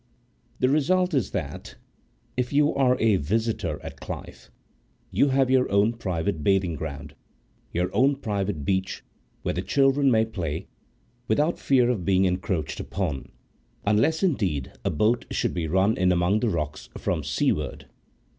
The result is that, if you are a visitor at Clyffe, you have your own private bathing ground, your own private beach where the children may play, without fear of being encroached upon, unless, indeed, a boat should be run in among the rocks from seaward.